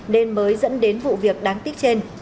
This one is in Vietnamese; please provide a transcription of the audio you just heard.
nên mới dẫn đến vụ việc đáng tiếc trên